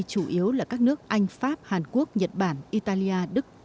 chủ yếu là các nước anh pháp hàn quốc nhật bản italia đức